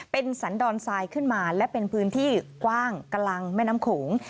เป็นสันดอนทรายขึ้นมาและเป็นพื้นที่กว้างกลางแม่น้ำโขง